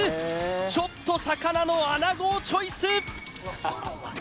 ちょっと魚の穴子をチョイス！